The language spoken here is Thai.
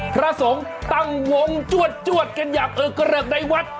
พระสงฆ์ตั้งวงจวดกันอย่างเออกระเริกในวัด